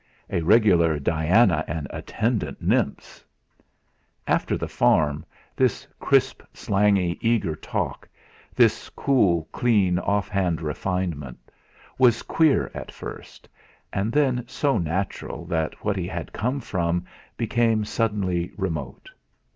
A regular Diana and attendant nymphs! After the farm this crisp, slangy, eager talk, this cool, clean, off hand refinement, was queer at first, and then so natural that what he had come from became suddenly remote.